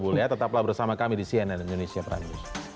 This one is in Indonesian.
boleh ya tetaplah bersama kami di cnn indonesia terang